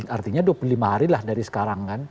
artinya dua puluh lima hari lah dari sekarang kan